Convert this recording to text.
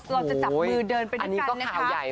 โหยอันนี้ก็ข่าวใหญ่บุ๊คกลุ่มต้องกดทรงสัมภาษณ์ดี